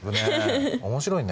面白いね。